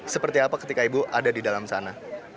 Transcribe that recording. seperti apa ketika ibu ada di dalam sana